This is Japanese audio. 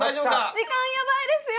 時間ヤバいですよ！